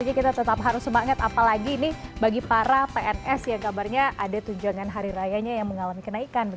jadi kita tetap harus semangat apalagi ini bagi para pns yang kabarnya ada tujuan hari rayanya yang mengalami kenaikan